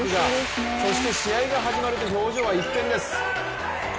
そして試合が始まると表情は一変です。